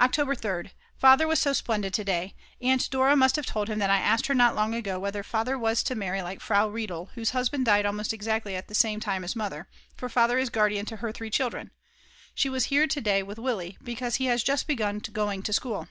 October 3rd. Father was so splendid to day! Aunt Dora must have told him that I asked her not long ago whether Father was likely to marry Frau Riedl, whose husband died almost exactly the same time as Mother, for Father is guardian to her three children. She was here to day with Willi, because he has just begun going to school.